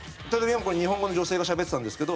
日本語の女性がしゃべってたんですけど